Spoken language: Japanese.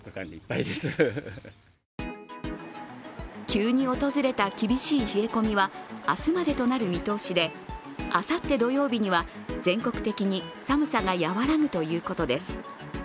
急に訪れた厳しい冷え込みは明日までとなる見通しで、あさって土曜日には全国的に寒さが和らぐということです。